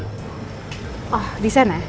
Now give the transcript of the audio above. tuh di ujung sana